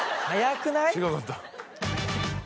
早くない？